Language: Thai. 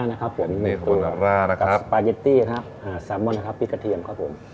นะครับผมขอมูลตัดละนะครับปาเก็ตตี้ครับสามมอนท์และผิดเฮียมครับผม